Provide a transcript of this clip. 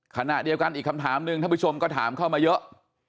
ขณะเดียวกันอีกคำถามหนึ่งท่านผู้ชมก็ถามเข้ามาเยอะ